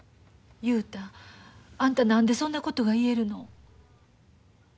雄太あんた何でそんなことが言えるの。